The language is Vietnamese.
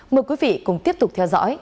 mời quý vị cùng tiếp tục theo dõi